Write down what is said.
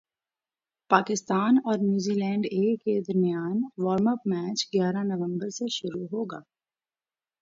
پاکستان اور New Zealand A کے درمیان وارم اپ میچ گیارہ نومبر سے شروع ہوگا